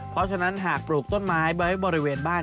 เพราะฉะนั้นหากปลูกต้นไม้ไว้บริเวณบ้าน